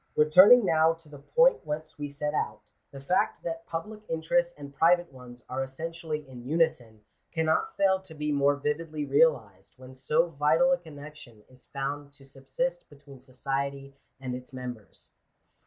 Returning now to the point whence we set out, the fact that public interests and private ones are essentially in unison, can* not fail to be more vividly realized, when so vital a connection is found to subsist between society and its members.